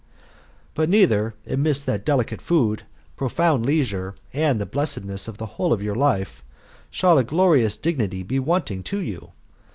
"But neither amidst that delicate food, profound leisure, and the blessedness of the whole of your life, shall a glorious dignity be wanting to you.